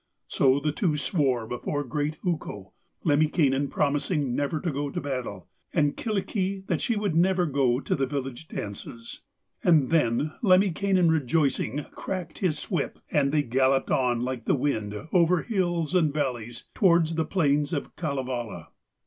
So the two swore before the great Ukko, Lemminkainen promising never to go to battle, and Kyllikki that she would never go to the village dances. And then Lemminkainen rejoicing cracked his whip, and they galloped on like the wind over hills and valleys towards the plains of Kalevala.